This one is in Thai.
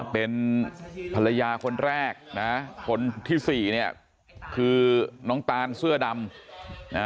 เป็นภรรยาคนแรกนะคนที่สี่เนี่ยคือน้องตานเสื้อดำนะ